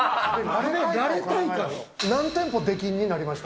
何店舗出禁になりました？